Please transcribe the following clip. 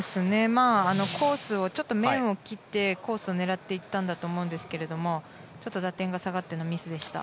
面を切ってコースを狙っていったんだと思うんですけど打点が下がってのミスでした。